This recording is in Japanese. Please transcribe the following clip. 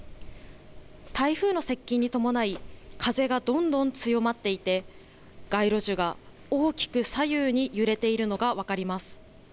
台風の接近に伴い、風がどんどん強まっていて、街路樹が大きく左右に揺れているのが分かります。